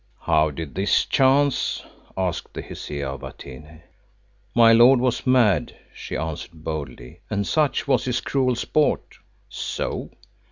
"How did this chance?" asked the Hesea of Atene. "My lord was mad," she answered boldly, "and such was his cruel sport." "So.